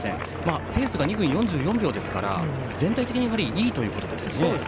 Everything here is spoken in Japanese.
ペースが２分４４秒ですから全体的にいいということですね。